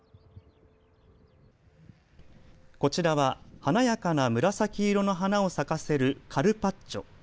こちらは華やかな紫色の花を咲かせるカルパッチョ。